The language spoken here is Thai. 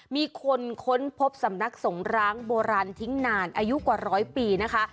มีคนค้นพบสำนักสงร้างโบราณทิ้งนานอายุกว่าร้อยปีนะคะ